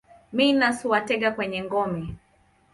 Minus huwatega kwenye ngome.